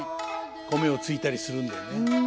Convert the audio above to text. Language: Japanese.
米をついたりするんだよね。